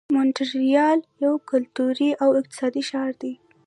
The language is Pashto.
مونټریال یو کلتوري او اقتصادي ښار دی.